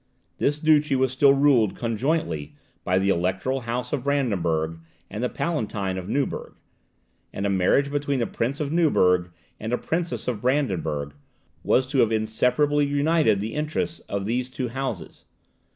This duchy was still ruled conjointly by the Electoral House of Brandenburg and the Palatine of Neuburg; and a marriage between the Prince of Neuburg and a Princess of Brandenburg was to have inseparably united the interests of the two houses.